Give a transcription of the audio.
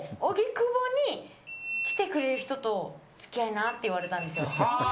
荻窪に来てくれる人と付き合いなって言われたんですよ。